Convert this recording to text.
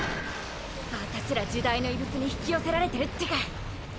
アタシら時代の異物に引き寄せられてるってか！